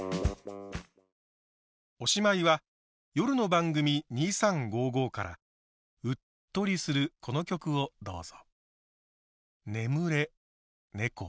おしまいは夜の番組「２３５５」からうっとりするこの曲をどうぞ。